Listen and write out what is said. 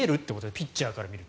ピッチャーから見ると。